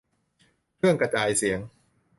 เครื่องกระจายเสียง